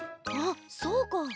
あっそうか。